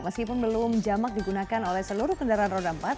meskipun belum jamak digunakan oleh seluruh kendaraan roda empat